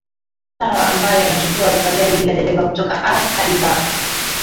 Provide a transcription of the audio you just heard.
sawa ambayo inachukua magari bila dereva kutoka A hadi B